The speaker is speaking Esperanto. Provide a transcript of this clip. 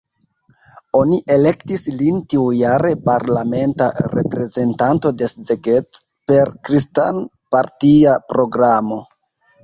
Oni elektis lin tiujare parlamenta reprezentanto de Szeged, per kristan-partia programo.